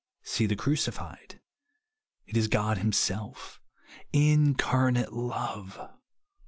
See the Crucified. It is God himself; incarnate love.